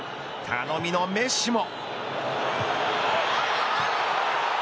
頼みのメッシも。